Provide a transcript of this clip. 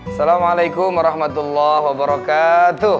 assalamualaikum warahmatullah wabarakatuh